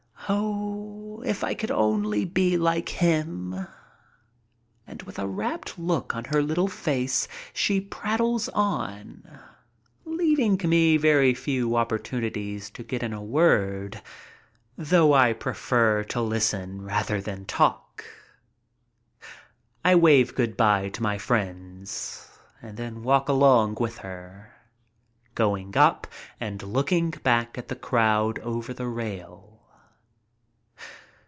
Oh, if I could only be like him." And with a rapt look on her little face she prattles on, leaving me very few opportunities to get in a word, though I prefer to listen rather than talk. I wave good by to my friends and then walk along with her, going up and looking back at the crowd over the rail.